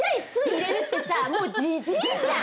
入れるってさもうジジイじゃん！